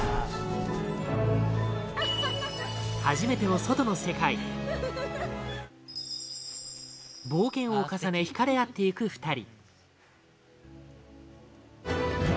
初めての外の世界冒険を重ね引かれ合っていく２人